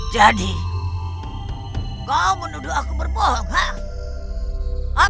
jadi kau menuduh aku berbohong